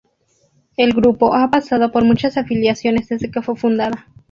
El grupo ha pasado por muchas afiliaciones desde que fue fundada.